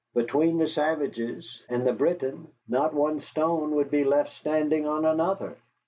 Between the savage and the Briton not one stone would be left standing on another.